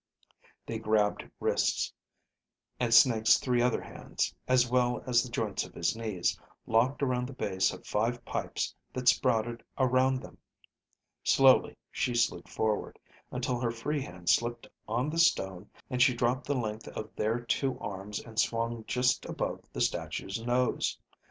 They grabbed wrists, and Snake's three other hands, as well as the joints of his knees, locked around the base of five pipes that sprouted around them. Slowly she slid forward, until her free hand slipped on the stone and she dropped the length of their two arms and swung just above the statue's nose.